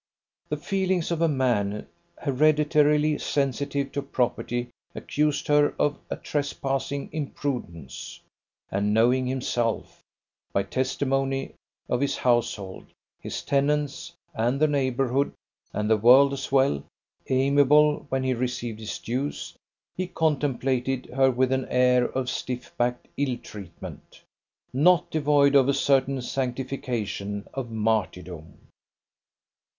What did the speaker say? The feelings of a man hereditarily sensitive to property accused her of a trespassing imprudence, and knowing himself, by testimony of his household, his tenants, and the neighbourhood, and the world as well, amiable when he received his dues, he contemplated her with an air of stiff backed ill treatment, not devoid of a certain sanctification of martyrdom.